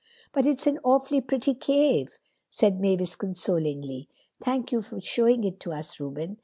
"But it's an awfully pretty cave," said Mavis consolingly. "Thank you for showing it to us, Reuben.